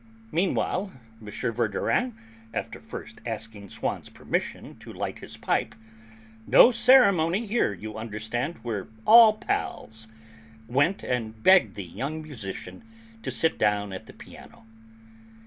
Meanwhile M. Verdurin, after first asking Swann's permission to light his pipe ("No ceremony here, you understand; we're all pals!"), went and begged the young musician to sit down at the piano.